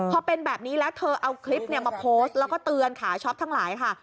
พอเป็นแบบนี้แล้วเธอเอาคลิปมาโพสต์แล้วก็เตือนขาช็อปทั้งหลายค่ะ